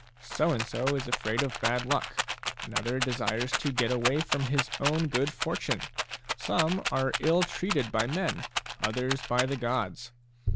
So and so is afraid of bad luck ; another desires to get away from his own good fortune. Some are ill treated by men, others by the gods.